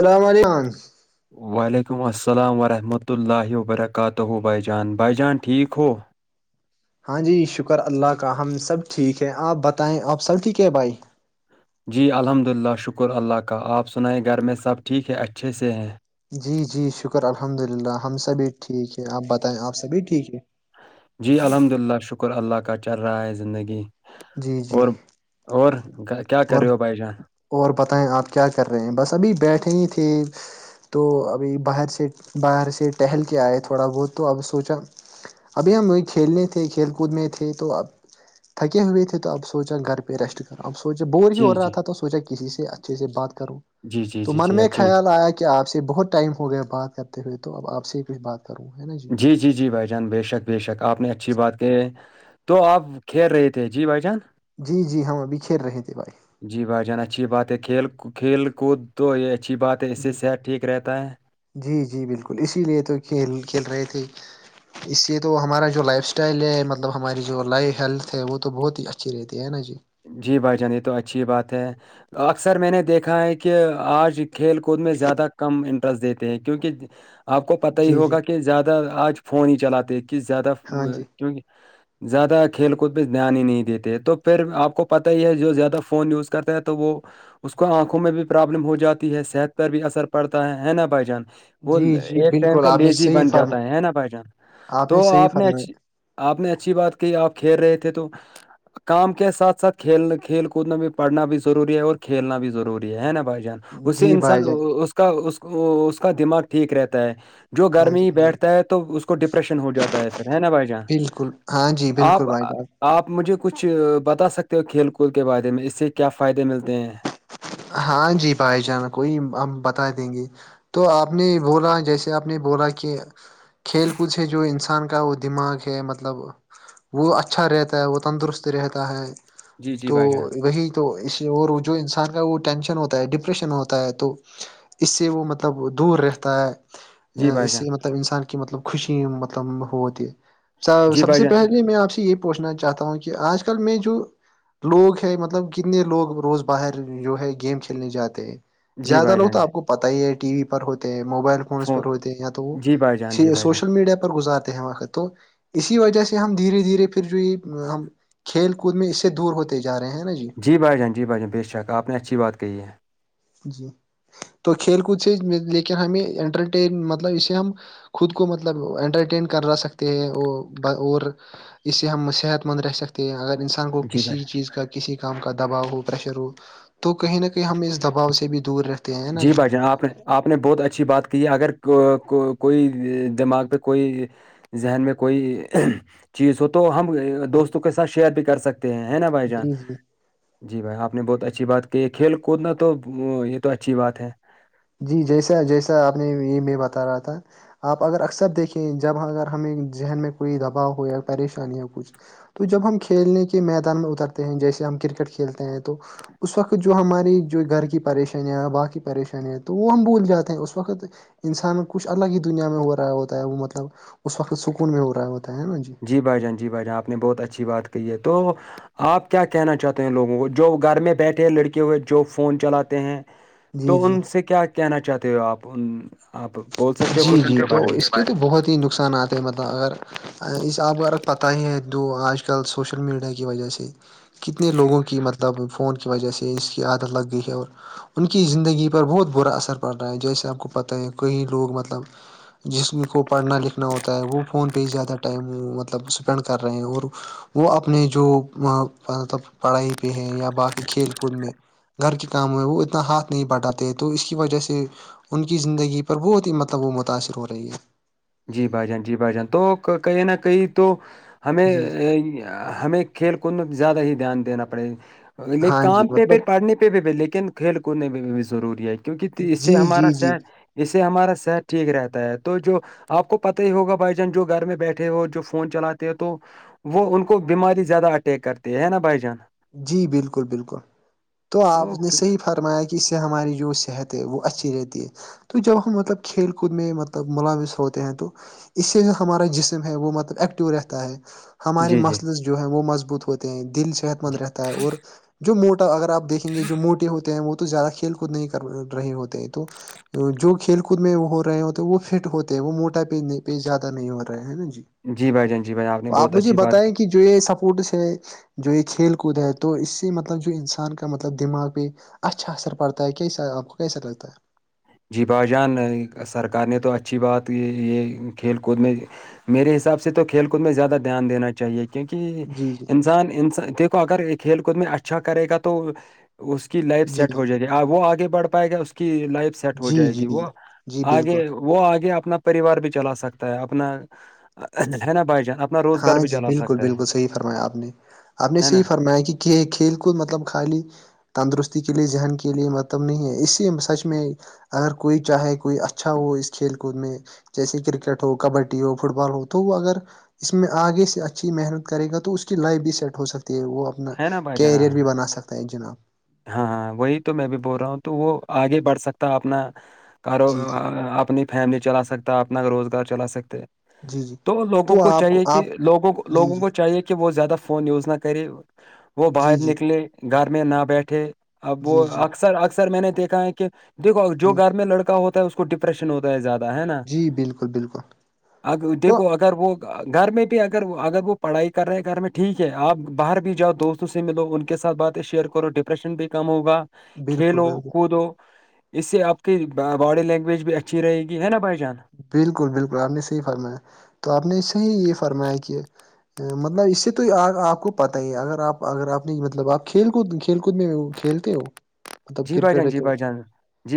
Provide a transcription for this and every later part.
اللام علیکم وعلیکم السلام ورحمۃ اللہ وبرکاتہ بائی جان بھائی جان ٹھیک ہو ہاں جی شکر اللہ کا ہم سب ٹھیک ہے آپ بتائیں آپ سب ٹھیک ہے بھائی جی الحمد للہ شکر اللہ کا آپ سنائیں گھر میں سب ٹھیک ہے اچھے سے ہیں جی جی شکر الحمد للہ ہم سب بھیھی ٹھیک ہے آپ بتائیں آپ سبھی ٹھیک ہے جی الحمد للہ شکر اللہ کا چل رہا ہے زندگی جی جی اور اور کیا کر اور رہے ہو بھائی جان اور بتائیں آپ کیا کر رہے ہیں بس ابھی بیٹھے ہی تھے تو ابھی باہر سے باہر سے ٹہل کے آئے تھوڑا بہت تو اب سوچا ابھی ہم وہیں کھیلنے تھے کھیل کود میں تھے تو اب تھکے ہوئے تھے تو اب سوچا گھر پہ ریسٹ کر ابو بور ہی ہو جی رہا جی تھا تو سوچا کسی سے اچھے سے بات کروں جی جی تو جی من جی میں اچھی خیال آیا کہ کیا آپ سے بہت ٹائم ہو گیا بات کرتے ہوئے تو اب آ سے ہی کچھ بات کروں ہے نا جی جی جی بھائی جان بے شک بے شک آپ نے اچھی بات کہ ہے تو آپ کھیل رہے تھے جی بھائی جان جی جی ہم ابھی کھیل رہے تھے بھائی جی بھائی جان اچھی بات ہے کھیل کھیل کود تو یہ اچھی بات ہے اس سے جی صحت ٹھیک رہتا ہے جی جی بالکل اسی لیے تو کھیل کھیل رہے تھے اس سے تو ہمارا جو لائف اسٹائل ہے مطلب ہماری جو لائف ہیلتھ ہے وہ تو بہت ہی اچھی رہتی ہے نا جی جی بھائی جان یہ تو اچھی بات ہے اکثر میں نے دیکھا ہے کہ آج کھیل کود میں زیادہ کم انٹرسٹ دیتے ہیں کیونکہ آپ کو پت ہی جی جی ہوگا کہ زیادہ آج فون ہی چلاتے ہیں کہ زیادہ ہاں جی کیونکہ زیادہ کھیل کود پہ دھیان ہی نہیں دیتے تو پھر آپ کو پتہ ہی ہے جو زیادہ فون یوز کرتا ہے تو وہ اس کو آنکھوں میں بھی پرابلم ہو جاتی ہے صحت پر بھی اثر پڑتا ہے ہے نا بھائی جان وہ جی جی ایک ٹائم بالکل کا آپ نے لیزی صحیح بن فرم جاتا ہے ہے نا بھائی جان تو آپ نے آپ نے اچھی بات کہی آپ کھیل رہے تھے تو کام کے ساتھ ساتھ کھیلنا کھیل کود میں بھی پڑھنا بھی ضروری ہے اور کھیلنا بھی ضروری ہے نا بھائی جان اس سے جی بھائی انسان جان اس کا اس کا دماغ ٹھیک رہتا ہے جو ہاں گرمی جی ہی ہاں جی بیٹھتا ہے تو اس کو ڈپریشن ہو جاتا ہے پھر ہے نا بھائی جان بالکل ہاں جی بالکل آپ بھائی جان آپ مجھے کچھ بتا سکتے ہو کھیل کود کے بارے میں اس سے کیا فائدے ملتے ہیں ہاں جی بھائی جان کوئی ہم بتا دیں گے تو آپ نے بولا جیسے آپ نے بولا کہ کھیل کود سے جو انسان کا وہ دماغ کہ مطلب وہ اچھا رہتا ہے وہ تندرست رہتا ہے جی جی تو بھائی جان وہی تو اس اور وہ جو انسان کا وہ ٹینشن ہوتا ہے ڈپریشن ہوتا ہے تو اس سے وہ مطلب دور رہتا جی ہے بھائی اس جان سے مطلب انسان کی مطلب خوشی مطلب ہوتی ہے جی سب بھائی سے جان پہلے میں آپ سے یہ پوچھنا چاہتا ہوں کہ آج کل میں جو لوگ ہے مطلب کتنے لوگ روز باہر جو ہے گیم کھیلنے جاتے ہیں جی زیادہ بھائی لوگ جان تو آ کو پتا ہی ہے ٹی وی پر ہوتے موبائل فونس پر فون ہوتے ہیں یا تو وہ جی بھائی جان جی بھائی جان سوشل میڈیا پر گزارتے ہیں وقت تو اسی وجہ سے ہم دھیرے دھیرے پھر جو یہ ہم کھیل کود میں اس سے دور ہوتے جا رہے ہیں نا جی جی بھائی جان جی بھائی جان بے شک آپ نے اچھی بات کہی ہے جی تو کھیل کود سے لیکن ہمیں انٹرٹین مطلب اسے ہم خود کو مطلب انٹرٹین کر رہا سکتے ہیں وہ اور اس سے ہم صحت مند رہہ سکتے ہیں اگر انسان کو جی بھائی کسی چیز کا کسی کام کا دباؤ ہو پرریشر ہو تو کہیں نہ کہیں ہمیں اس دباؤ سے بھی دور ہے جی بھائی جان آپ نے آپ نے بہت اچھی بات کی ہے اگر کوئی دماغ جی پہ کوئی ذہن میں کوئی چیز ہو تو ہم ہاں دوستوں جی کے ساتھ شیئر بھی کر سکتے ہیں ہے نا بھائی جان جی جی جی بھائی آپ نے بہت اچھی بات کی ہے کھیل کودنا تو یہ تو اچھی بات ہے جی جیسا جیسا آپ نے یہ میں بتا رہا تھا آپ اگر اکثر دیکھیں جب اگر ہمیں ذہن میں کوئی دباؤ ہو یا پریشانی ہو کچھ تو جب ہم کھیلنے کے میدان میں اترتے ہیں جیسے ہم کرکٹ کھیلتے ہیں تو اس وقت جو ہماری جو گھر کی پریشانیاں باقی پریشانیاں تو وہ ہم بھول جاتے ہیں اس وقت انسان کچھ الگ ہی دنیا میں ہو رہا ہے ہوتا ہے وہ مطلب اس وقت سکون میں ہو رہا ہوتا ہے نا جی جی بھائی جان جی بھائی جان آپ نے بہت اچھی بات کہ ہے تو آپ کیا کہنا چاہتے ہیں لوگوں کو جو گھر میں بیٹھے لڑکے ہوئے جو فون چلاتے ہیں جی تو جی ان سے کیا کہنا چاہتے ہو آپ آپ بول سکتے ہو جی کچھ ان جی کے تو بارے میں اس کے تو بہت ہی نقصانات مطلب اگر اس آپ کو اگر پتہ ہی ہے دو آج کل سوشل میڈیا کی وجہ سے کتنے لوگوں کی مطلب فون کی وجہ سے اس کی عادت لگ گئی ہے اور ان کی زندگی پر بہت برا اثر پڑ رہا ہے جیسے آپ کو پتہ ہے کہئی لوگ مطلب جس کو پڑھنا لکھنا ہوتا ہے وہ فون پہ ہی زیادہ ٹائم مطلب اسپینڈ کر رہے ہیں اور وہ اپنے جو مطلب پڑھائی پہ ہے یا باقی کھیل کود میں گھر کے کام ہوئے وہ اتنا ہاتھ نہیں پٹاتے تو اس کی وجہ سے ان کی زندگی پر بہت ہی مط تب وہ متاأثر ہو رہی ہے جی بھائی جان جی بھائی جان تو کہیں نہ کہیں تو جی جی ہمیں ہمیں کھیل کود زیادہ ہی دھیان دینا پڑے گ ل ہاں جی کام پہ مطلب پھر پڑھنے پہ بھی لیکن کھیل کودنے میں بھی ضروری ہے کیونکہ اس سے جی ہمارا جی جی شہر اس سے ہمارا صحت ٹھیک رہتا ہے تو جو آپ کو پت ہی ہوگا بائی چانس جو گھر میں بیٹھے ہو جو فون چلاتے تو وہ ان کو بیماری زیادہ اٹیک کرتے ہے نا بھائی جان جی بالکل بالکل تو آپ نے صحیح ہرمایا کہ اس سے ہماری جو صحت ہے وہ اچھی رہتی ہے تو جب ہم مطلب کھیل کود میں مطلب ملاوث ہوتے ہیں تو اس سے جو ہمارا جسم ہے وہ مطلب ایکٹیو رہتا ہے ہمارے جی جی مسلز جو ہیں وہ مضبوط ہوتے ہیں دل صحت مند جی رہتا ہے اور جو موٹا اگر آپ دیکھیں گے جو موٹے ہوتے ہیں وہ تو زیادہ کھیل کود نہیں کر رہے ہوتے ہیں تو جو کھیل کود میں ہو رہے ہوتے وہ فٹ ہوتے ہیں وہ موٹا پ پ زیادہ نہیں ہو رہا ہے نا جی جی بھائی جان جی بھائی آپ نے بہت مجھے اچھی بات کی بتائیں کہ جو یہ سپورٹس ہے جو یہ کھیل کود ہے تو اس سے مطلب جو انسان کا مطلب دماغ پہ اچھا اثر پڑتا ہے کیسا آپ کو کیسا لگتا ہے جی بھائی جان سرکار نے تو اچھی بات یہ کھیل کود میں میرے حساب سے تو کھیل کود میں زیادہ دھیان دا چاہیے کیونکہ ہے جی جی انسان انس دیکھو اگر کھیل کود میں اچھا کرے گا تو اس کی لائف جی سیٹ ہو جائے گی وہ آگے بڑھ پائے گا اس کی لائف سیٹ ہو جی جائے جی گی جی وہ جی بالکل آگے وہ آگے اپنا پریوار بھی چلا سکتا ہے اپنا ہے نا بھائی جان اپنا روزگار ہاں بھی جی چلا بالکل سکتا ہے بالکل صحیح فرمایا آپ نے آپ نے ہے نا صحیح فرمایا کہ کہ کھیل کود مطلب خالی تندرستی کے لیے ذہن کے لیے مطلب نہیں ہے اسی سچ میں اگر کوئی چاہے کوئی اچھا ہو اس کھیل کود میں جیسے کرکٹ ہو کبڈی ہو فٹ بال ہو تو وہ اگر اس میں آگے سے اچھی محنت کرے گا تو اس کی لائف بھی سیٹ ہو سکتی ہے وہپ اپنا ہے نا بھائی جان کیریئر ہاں بھی بنا سکتا ہے جناب ہاں ہاں وہی تو میں بھی بول رہا ہوں تو وہ آگے بڑھ سکتا اپنا کرو جی جی اپنی فیملی چلا سکتا اپنا روزگار چلا سکتے جی جی تو لوگوں کو چاہیے کہ لوگوں کو جی لوگوں جی کو چاہیے کہ کہ وہ زیادہ فون یوز نہ کرے وہ جی باہر جی نکلے گھر میں نہ بیٹھے اب جی وہ جی اکثر اکثر میں نے دیکھا ہے کہ دیکو جو جی گھر میں لڑکا ہوتا ہے اس کو پریشن ہوتا ہے زیادہ ہے نا جی بالکل بالکل تو دیکھو اگر وہ گھر میں بھی اگر اگر وہ پڑھائی کر رہے ہیں گھر میں ٹھیک ہے آپ باہر بھی جاؤ دوست سے ملو ان کے ساتھ باتیں شیئر کرو ڈپریشن بھی کم ہوگا بالکل کھیلو بالکل کودو اس سے آپ کی باڈی لینگویج بھی اچھی رہے گی ہے نا بھائی جان بالکل بالکل آپ نے صحیح فرمایا تو آپ نے صحیح یہ فرمایا کہ مطلب اس سے تو آپ کو پت ہی ہے اگر آپ اگر آپ نے مطلب آپ کھیل کو کھیل کود میں کھیلتے ہو مطلب جی بھائی کرکٹ جان جی وکٹ بھائی جان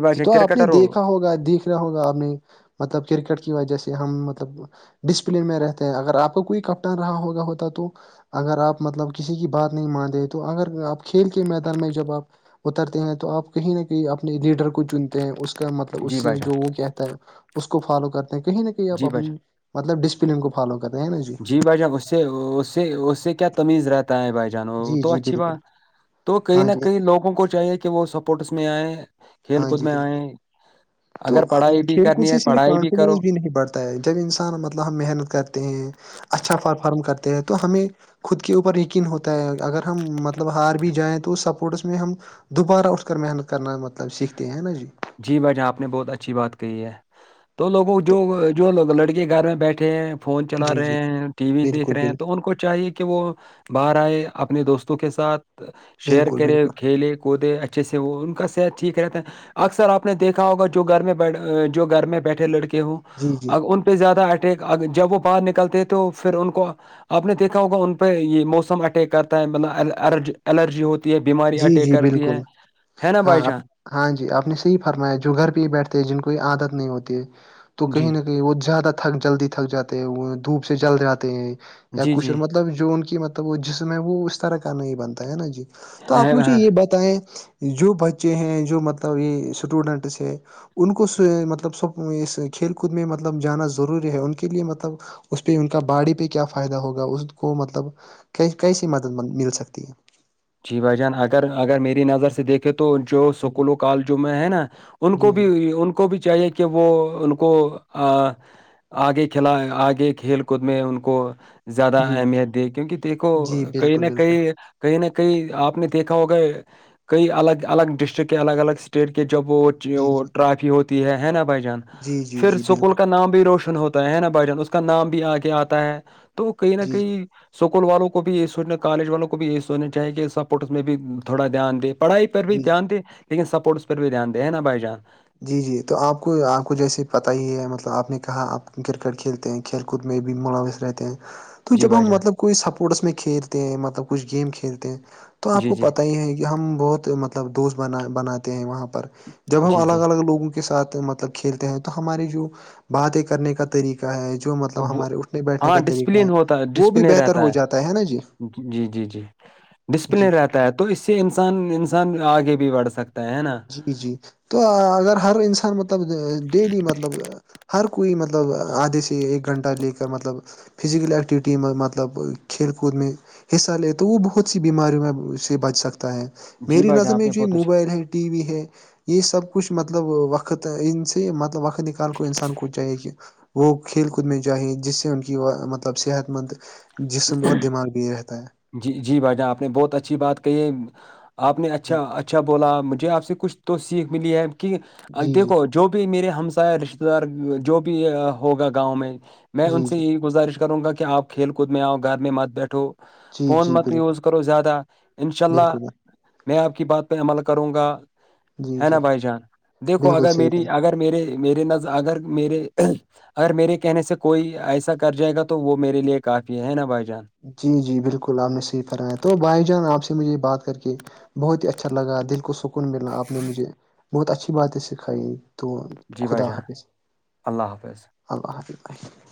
بھائی جی جان تو آپ نے کرکٹر ہو دیکھا ہوگا دیک ہوگا آپ نے مطلب کرکٹ کی وجہہ سے ہم مطلب ڈسپلن میں رہتے ہیں اگر آپ کو کوئی کپٹان رہا ہوگا ہوتا تو اگر آپ مطلب کسی کی بات نہیں مان رہ تو اگر آپ کھیل کے میدان میں جب آپ اترتے ہیں تو آپ کہیں نہ کہیں اپنے لیڈر کو چنتے ہیں اس کا مطلب اس جی بھائی سے جو جان وہ کہتا ہے اس کو فالو کرتے ہیں کہیں نہ کہیں آپ جی بھائی مطلب ڈسپلن کو فالو کرتے ہیں نا جان جی بھائی جان اس سے سے اس سے کیا تمیز رہتا ہے بھائی جان جی تو جی اچھی بالکل بات تو کہئی ہاں نہ جی کہیں لوگوں کو چاہیے کہ وہ سپورٹس میں آئے کھیل ہاں کود جی میں آئ بالکل تو کھیل کود سے صرف پڑھائی کرو کاؤنسلینس بھی نہیں بڑتا جب انسان مطلب ہم محنت کرتے ہیں اچھا پرفارم کرتے ہیں تو ہمیں خود کے اوپر یقین ہوتا ہے اگر ہم مطلب ہار بھی جائیں تو اس سپورٹس میں ہم دوبارہ اٹھ کر محنت کرنا مطلب سیکھتے ہیں نا جی جی بھائی جان آپ نے بہت اچھی بات کہی ہے تو لوگوں جو جو لوگ لڑکی گھر میں بیٹھے ہیں فون چلا جی رہے جی ہیں ٹی وی دیکھ بالکل رہے ہیں بالکل تو ان کو چاہیے کہ کہ وہ باہر آئے اپنے دوستوں کے ساتھ شیئر بالکل کرے بالکل کھیل کودے اچھا اچھے سے وہ ان کا صحت ٹھیک رہتا ہے اکثر آپ نے دیکھا ہوگا جو گھر میں جو گھر میں بیٹھے لڑکے ہوں جی جی ان کو زیادہ اٹیک جب وہ باہر نکلتے تو پھر ان کو آپ نے دیکھا ہوگا ان پہ یہ موسم اٹیک کرتا ہے مطلب الرجی ہوتی ہے بیماری جی اٹیک جی کرتی بالکل ہے ہے نا ہاں بھائی آپ چان ہاں جی آپ نے صحیح فرمایا جو گھر پہ ہی بیٹھتے ہیں جن کو عادت نہیں ہوتی ہے تو جی کہیں نہ کہیں کہ وہ زیادہ تھک جلدی تھک جاتے ہیں وہ دھوپ سے جل جاتے ہیں یا جی کچھ جی اور مطلب جو ان کی مطلب وہ جسم ہے وہ اس طرح کا نہیں بنتا ہے نا جی تو آپ ہے مجھے نا یہ بتائیں جو بچے ہیں جو مطلب یہ اسٹوڈنٹس ہے ان کو مطلب سب اس کھیل کود میں مطلب جانا ضروری ہے ان کے لیے مطلب اس پہ ان کا باڑی پہ کیا فائدہ ہوگا اس کو مطلب کی کیسی مدد مل سکتی ہے جی بھائی جان اگر اگر میری نظر سے دیکھ تو جو جی سکولوں کالجوں میں ہے نا ان جی کو بھی جی ان کو کو بھی چاہیے کہ وہ ان کو آگے کھلا آگے کھیل کود میں ان کو زیادہ جی اہمیت د کیونکہ دیکھو جی کہیں بالکل نہ بالکل کہیں کہیں نہ کئی آپ نے دیکھا ہوگا کئی الگ الگ ڈسٹرک کے الگ الگ اسٹیٹ کے جب وہ جی جی ٹرافی ہوتی ہے ہے نا بھائی جان جی جی پھر جی بالکل اسکول کا نام بھی روشن ہوتا ہے نا بھائی جان اس کا نام بھی آ کے آتا ہے تو کہئی نہ جی جی کہئی اسکول والوں کو بھی یہی سوچنا کالج والوں کو بھی یہی سوچنا چاہیے کہ سپورٹس میں بھی تھوڑا دھیان دے پڑھائی پر بھی جی دھیان دے لیکن سپوورٹس پر بھی دھیان دے ہے نا بھائی جان جی جی تو آپ کو آپ کو جیسے پت ہی ہے مطلب آپ نے کہا آپ کرکٹ کھیلتے ہیں کھیل کود میں بھی ملاوث رہتے ہیں تو جی جب بھائی ہم جان مطلب کوئی سپورٹس میں کھیلتے ہیں مطلب کچھ گیم کھیلتے ہیں تو آپ جی کو جی پت ہی ہے کہ ہم بہت مطلب دوست بناتے ہیں وہاں پر جب ہم جی جی الگ لوگوں کے ساتھ مطلب کھیلتے ہیں تو ہماری جو باتیں کرنے کا طریقہ ہے جو مطلب وہ ہمارے اٹھنے بیٹھنے ہاں کا طریقہ ڈسپلن ہے ہوتا وہ بھی ڈسپلن بہتر رہتا ہو جاتا ہے نا جی جی جی جی جی ڈسپلن رہتا ہے تو اس سے انسان انسان آگے بھی بڑھ سکتا ہے ہے نا جی جی تو اگر ہر انسان مطلب ڈیلی مطلب ہر کوئی مطلب آدھے سے ایک گھنٹہ لے کر مطلب فزکل ایکیکٹیوٹی میں مطلب کھیل کوود میں حصہ لے تو وہ بہت سی بیماریوں میں سے بچ سکتا ہے جی میری بھائی جان نظر آپ میں نے جو بہت اچھا موبائل ہے ٹی وی ہے یہ سب کچھ مطلب وقت ان سے مطلب وقت ن کال کو انسان کو چاہیے کہ وہ کھیل کود میں جاہیں جس سے ان کی مطلب صحت مند جسم اور دماغ بھی رہتا ہے جی جی بھائی جان آپ نے بہت اچھی بات کہی ہے آپ نے جی اچھا اچ اچھا بولا مجھے آپ سے کچھ تو سیکھ ملی ہے کہ جی دیکو جو بھی میرے ہمسا رشتے دار جو بھی ہوگا گاؤں میں میں ان جی جی سے جی یہی گزارش کروں گا کہ آپ کھیل کود میں آؤ گھر میں مت بیٹھو جی فون جی مت بالکل یوز کرو زیادہ انشاء اللہ بالکل میں آپ کی بات پہ عمل کروں گا جی ہے جی نا بھائی جان دیکھو بالکل اگر صحیح میری بھائی اگر میرے میرے ن اگر میرے اگر میرے کہنے سے کوئی ایسا کر جائے گا تو وہ میرے لیے کافی ہے نا بھائی جان جی جی بالکل آپ نے صحیح فرمایا تو بھائی جان آپ سے مجھے بات کر کے بہت ہی اچھا لگا دل کو سکون مللا آپ نے مجھے بہت اچھی باتیں سکھائی ت جی بھائی خدا جان حافظ اللہ حافظ اللہ حافظ بح